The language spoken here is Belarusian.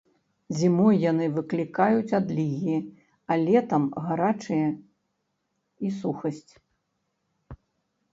Зімой яны выклікаюць адлігі, а летам гарачыя і сухасць.